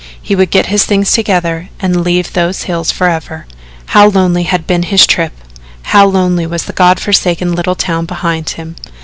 He would get his things together and leave those hills forever. How lonely had been his trip how lonely was the God forsaken little town behind him!